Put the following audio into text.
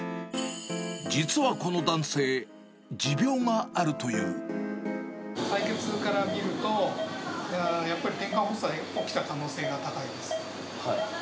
実はこの男性、持病があると採血から見ると、やっぱりてんかん発作起きた可能性が高いです。